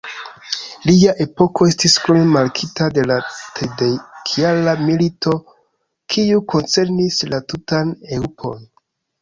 Lia epoko estis krome markita de la Tridekjara milito, kiu koncernis la tutan Eŭropon.